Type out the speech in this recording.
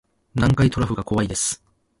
南海トラフが怖いです